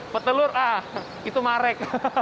petelur ah itu marek